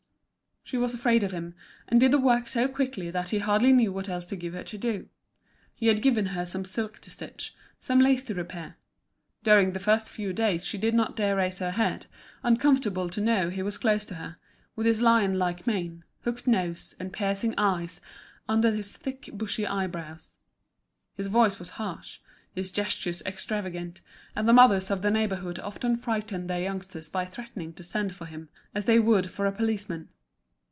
She was afraid of him, and did the work so quickly that he hardly knew what else to give her to do. He had given her some silk to stitch, some lace to repair. During the first few days she did not dare raise her head, uncomfortable to know he was close to her, with his lion like mane, hooked nose, and piercing eyes, under his thick bushy eyebrows. His voice was harsh, his gestures extravagant, and the mothers of the neighbourhood often frightened their youngsters by threatening to send for him, as they would for a policeman.